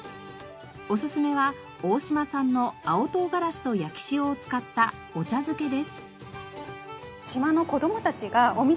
おすすめは大島産の青唐辛子と焼き塩を使ったお茶漬けです。